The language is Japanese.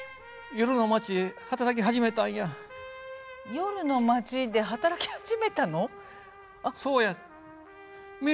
夜の街で働き始めたの？